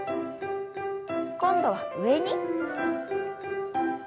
今度は上に。